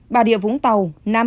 bà địa vũng tàu năm